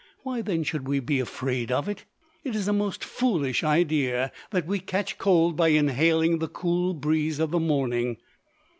Why, then, should we be afraid of it? It is a most foolish idea that we catch cold by inhaling the cool breeze of the morning.